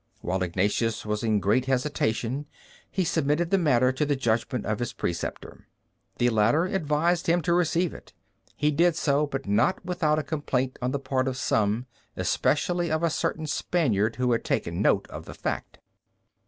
While Ignatius was in great hesitation, he submitted the matter to the judgment of his preceptor. The latter advised him to receive it. He did so, but not without a complaint on the part of some, especially of a certain Spaniard who had taken note of the fact.